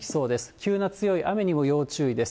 急な強い雨にも要注意です。